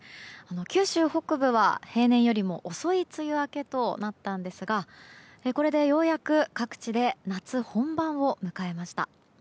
九州北部は平年よりも遅い梅雨明けとなったんですがこれでようやく各地で夏本番を迎えました。